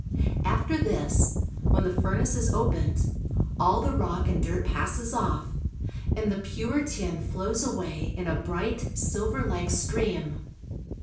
After this, when the furnace is opened, all the rock and dirt passes off, and the pure tin flows away in a bright, silverlike stream.